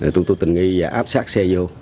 tụi tôi tình nghi và áp sát xe vô